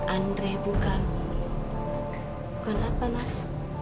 andre bukan bukan apa mas